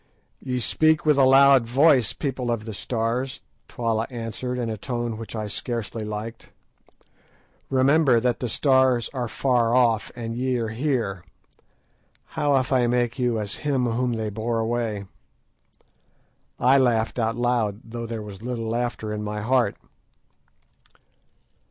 "Ye speak with a loud voice, people of the Stars," Twala answered in a tone which I scarcely liked. "Remember that the Stars are far off, and ye are here. How if I make you as him whom they bore away?" I laughed out loud, though there was little laughter in my heart.